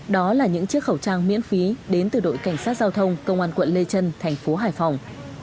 đó là những chiếc khẩu trang miễn phí đến từ đội cảnh sát giao thông công an quận lê trân thành phố hải phòng